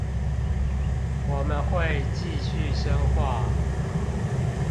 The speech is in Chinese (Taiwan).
我們會繼續深化